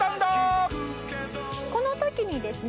この時にですね